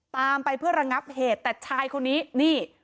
ตามไปเพื่อระงับเหตุแต่ชายคนนี้นี่